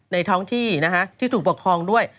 ท้องที่ที่ถูกปกครองด้วย